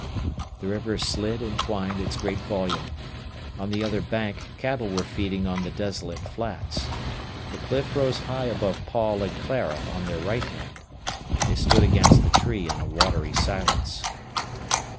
The river slid and twined its great volume. On the other bank cattle were feeding on the desolate flats. The cliff rose high above Paul and Clara on their right hand. They stood against the tree in the watery silence.